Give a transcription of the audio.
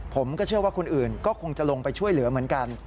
ผมก็เชื่อว่าคนอื่นก็คงจะลงไปช่วยเหลือเหมือนกัน